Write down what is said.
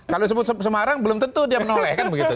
kalau disebut semarang belum tentu dia menolehkan begitu